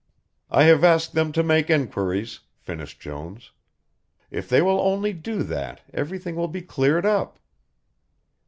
"I have asked them to make enquiries," finished Jones, "if they will only do that everything will be cleared up."